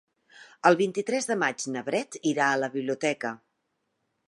El vint-i-tres de maig na Bet irà a la biblioteca.